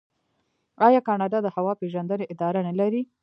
آیا کاناډا د هوا پیژندنې اداره نلري؟